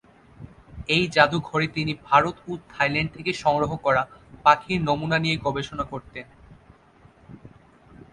এই জাদুঘরে তিনি ভারত ও থাইল্যান্ড থেকে সংগ্রহ করা পাখির নমুনা নিয়ে গবেষণা করতেন।